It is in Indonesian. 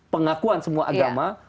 pengakuan semua agama